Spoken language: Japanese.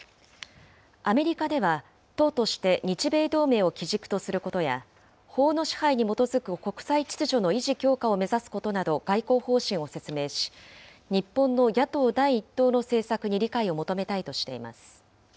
アメリカでは、党として日米同盟を基軸とすることや、法の支配に基づく国際秩序の維持、強化を目指すことなど外交方針を説明し、日本の野党第１党の政策に理解を求めたいとしています。